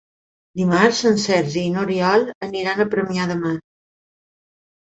Dimarts en Sergi i n'Oriol aniran a Premià de Mar.